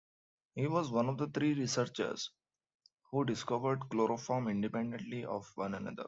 He was one of three researchers who discovered chloroform independently of one another.